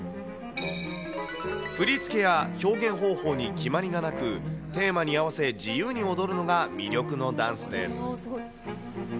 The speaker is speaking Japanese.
振り付けや表現方法に決まりがなく、テーマに合わせ、自由に踊るのが魅力のダンスです。